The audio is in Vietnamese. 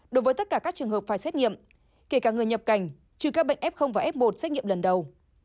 đối với tất cả các trường hợp phải xét nghiệm kể cả người nhập cảnh trừ các bệnh f và f một xét nghiệm lần đầu